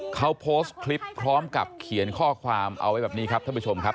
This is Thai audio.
เขาโพสต์คลิปพร้อมกับเขียนข้อความเอาไว้แบบนี้ครับท่านผู้ชมครับ